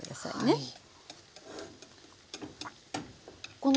はい。